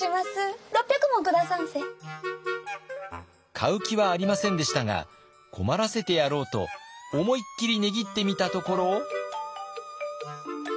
買う気はありませんでしたが困らせてやろうと思いっきり値切ってみたところ。